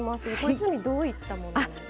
ちなみにどういったものなんですか。